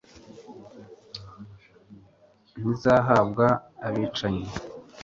ntizahabwa abicanyi